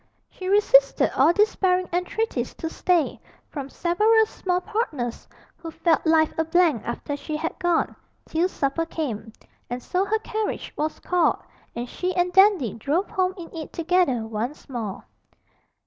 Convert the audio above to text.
She resisted all despairing entreaties to stay, from several small partners who felt life a blank after she had gone till supper came; and so her carriage was called, and she and Dandy drove home in it together once more.